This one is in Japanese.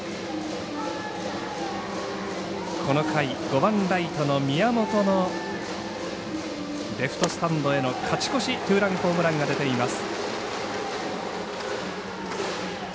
この回、５番ライトの宮本のレフトスタンドへの勝ち越しツーランホームランが出ています。